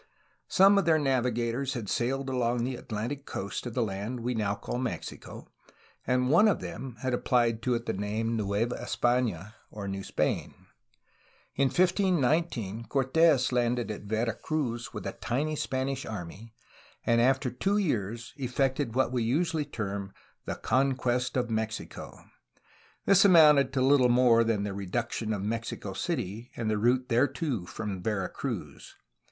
Some of their navigators had sailed along the Atlantic coast of the land we now call Mexico, and one of them had applied to it the name ^^Nueva Espana,'* or New Spain. In 1519 Cortes landed at Vera Cruz with a tiny Spanish army, and after two years effected what we usually term the "conquest of Mexico.'' This amounted to httle more than the reduction of Mexico City and the route there to from Vera Cruz.